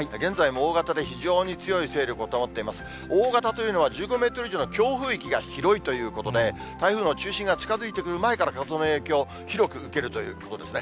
大型というのは、１５メートル以上の強風域が広いということで、台風の中心が近づいてくる前から風の影響、広く受けるということですね。